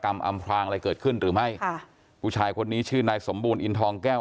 อำพลางอะไรเกิดขึ้นหรือไม่ค่ะผู้ชายคนนี้ชื่อนายสมบูรณอินทองแก้ว